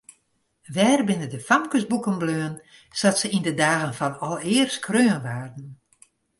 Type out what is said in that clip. Wêr binne de famkesboeken bleaun sa't se yn de dagen fan alear skreaun waarden?